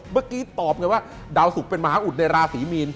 เมื่อกี้ตอบไงว่าดาวสุกเป็นมหาอุดในราศีมีน